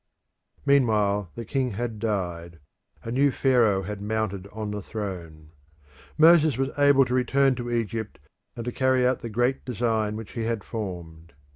Meanwhile the king had died; a new Pharaoh had mounted on the throne; Moses was able to return to Egypt and to carry out the great design which he had formed.